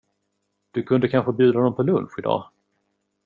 Du kunde kanske bjuda dem på lunch i dag?